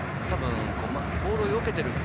ボールをよけている。